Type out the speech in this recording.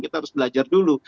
kita harus belajar dulu